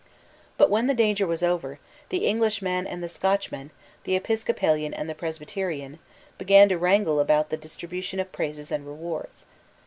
But, when the danger was over, the Englishman and the Scotchman, the Episcopalian and the Presbyterian, began to wrangle about the distribution of praises and rewards.